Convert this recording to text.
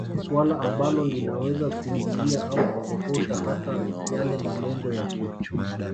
Swala ambalo linaweza kuingilia au kupotosha hata yale malengo ya kiuchumi